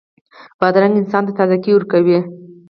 بادرنګ انسان ته تازهګۍ ورکوي.